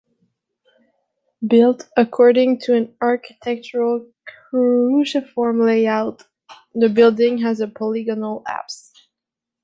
Built according to an architectural cruciform layout, the building has a polygonal apse.